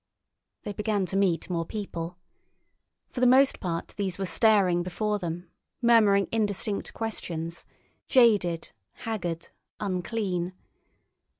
They began to meet more people. For the most part these were staring before them, murmuring indistinct questions, jaded, haggard, unclean.